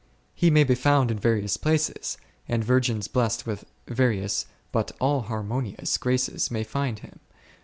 He may be found in various places ; and virgins blest with various (but all harmonious) graces may find Him.